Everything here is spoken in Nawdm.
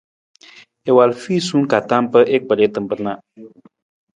I wal fiisung ka tam pa i kpar i tamar na.